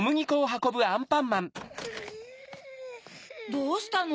どうしたの？